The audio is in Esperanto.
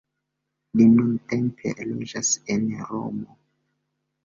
Li nuntempe loĝas en Romo.